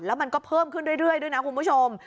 แล้วมันก็เพิ่มขึ้นเรื่อยด้วยนะคุณผู้ชม